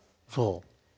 そう。